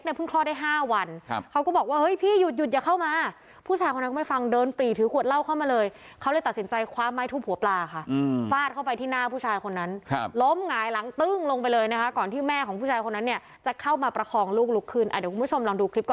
เพิ่งคลอดได้๕วันเขาก็บอกว่าเฮ้ยพี่หยุดหยุดอย่าเข้ามาผู้ชายคนนั้นก็ไม่ฟังเดินปรีถือขวดเหล้าเข้ามาเลยเขาเลยตัดสินใจคว้าไม้ทุบหัวปลาค่ะฟาดเข้าไปที่หน้าผู้ชายคนนั้นครับล้มหงายหลังตึ้งลงไปเลยนะคะก่อนที่แม่ของผู้ชายคนนั้นเนี่ยจะเข้ามาประคองลูกลุกขึ้นอ่ะเดี๋ยวคุณผู้ชมลองดูคลิปก่อน